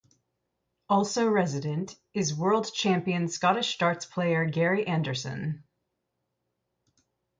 Also resident is world champion Scottish Darts player Gary Anderson.